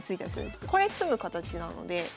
これ詰む形なので。